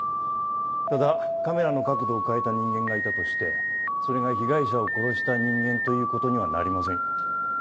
ただカメラの角度を変えた人間がいたとしてそれが被害者を殺した人間という事にはなりませんよ。